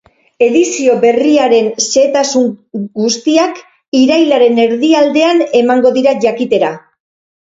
Edizio berriaren zehetasun guztiak irailaren erdialdean emango dira jakitera.